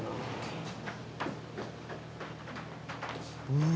うわ！